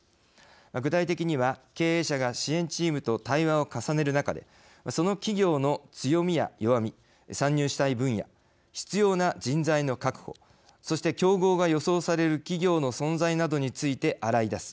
具体的には、経営者が支援チームと対話を重ねる中でその企業の強みや弱み参入したい分野必要な人材の確保、そして競合が予想される企業の存在などについて洗い出す。